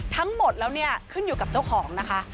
ทั้งหมดแล้วเนี่ยขึ้นอยู่กับเจ้าของนะคะ